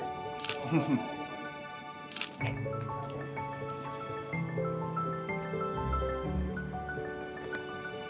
ไง